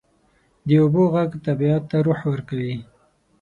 د اوبو ږغ طبیعت ته روح ورکوي.